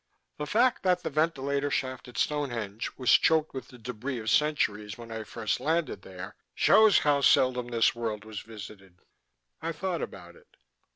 The fact that the ventilator shaft at Stonehenge was choked with the debris of centuries when I first landed there shows how seldom this world was visited." I thought about it.